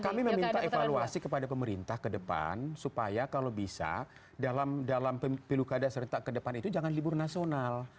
kami meminta evaluasi kepada pemerintah ke depan supaya kalau bisa dalam pilkada serentak ke depan itu jangan libur nasional